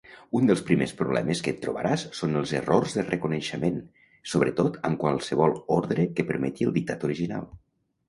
Un dels primers problemes que et trobaràs són els errors de reconeixement, sobretot amb qualsevol ordre que permeti el dictat original.